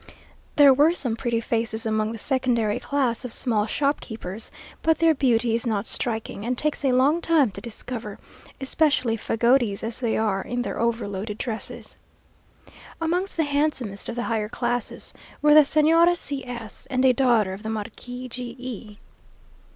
There were some pretty faces among the secondary class of small shopkeepers; but their beauty is not striking, and takes a long time to discover; especially fagotees as they are in their overloaded dresses. Amongst the handsomest of the higher classes, were the Señora C s, and a daughter of the Marquis G e.